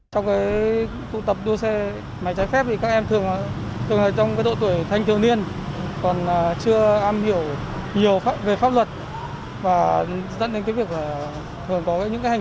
trong cái tụ tập đua xe máy trái phép thì các em thường ở trong độ tuổi thanh thường niên còn chưa am hiểu nhiều về pháp luật và dẫn đến việc thường có những hành động manh động và liều lĩnh